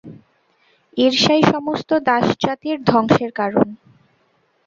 ঈর্ষাই সমস্ত দাসজাতির ধ্বংসের কারণ।